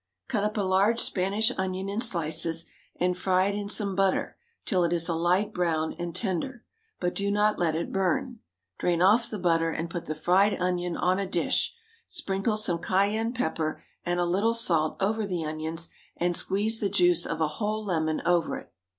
Cut up a large Spanish onion in slices, and fry it in some butter till it is a light brown and tender, but do not let it burn; drain off the butter and put the fried onion on a dish; sprinkle some cayenne pepper and a little salt over the onions, and squeeze the juice of a whole lemon over them.